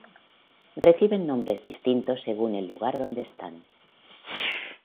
Reciben nombres distintos según el lugar donde están.